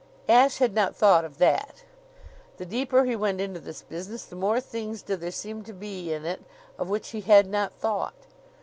Ashe had not thought of that. The deeper he went into this business the more things did there seem to be in it of which he had not thought.